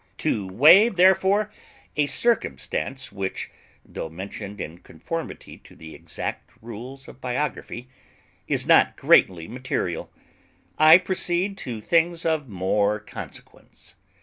To waive, therefore, a circumstance which, though mentioned in conformity to the exact rules of biography, is not greatly material, I proceed to things of more consequence.